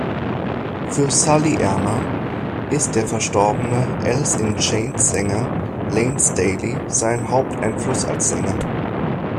Für Sully Erna ist der verstorbene Alice-in-Chains-Sänger Layne Staley sein Haupteinfluss als Sänger.